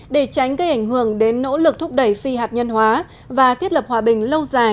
để tránh gây ảnh hưởng đến nỗ lực thúc đẩy phi hạt nhân hóa và thiết lập hòa bình lâu dài